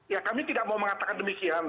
ya kami tidak mau mengatakan demikian